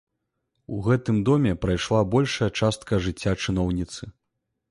У гэтым доме прайшла большая частка жыцця чыноўніцы.